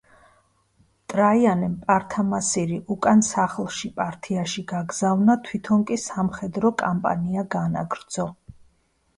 ტრაიანემ პართამასირი უკან სახლში პართიაში გაგზავნა, თვითონ კი სამხედრო კამპანია განაგრძო.